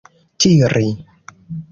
tiri